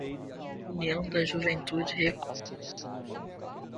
União da juventude revolucionária